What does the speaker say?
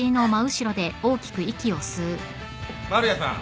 丸屋さん。